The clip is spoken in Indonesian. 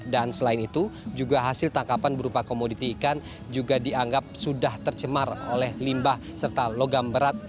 dan selain itu juga hasil tangkapan berupa komoditi ikan juga dianggap sudah tercemar oleh limbah serta logam berat